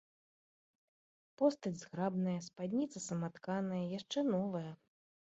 Постаць зграбная, спадніца саматканая, яшчэ новая.